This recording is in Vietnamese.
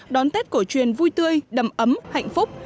đón tết cổ truyền vui tươi đầm ấm hạnh phúc